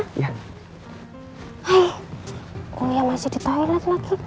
hai oh iya masih di toilet lagi